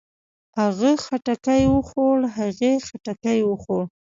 هغۀ خټکی وخوړ. هغې خټکی وخوړ.